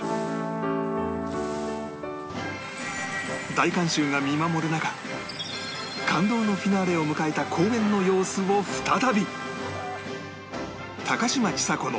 大観衆が見守る中感動のフィナーレを迎えた公演の様子を再び